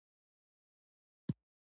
مګر له نارينه څخه موږ ته کم حقوق را کول کيږي.